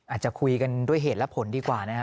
อาจจะคุยกันด้วยเหตุและผลดีกว่านะฮะ